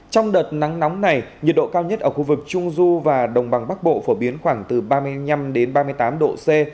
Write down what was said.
trong đợt nắng nóng này nhiệt độ cao nhất ở khu vực trung du và đồng bằng bắc bộ phổ biến khoảng từ ba mươi năm đến ba mươi tám độ c